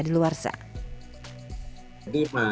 untuk itu pasti madu murni tidak dikandung pengawet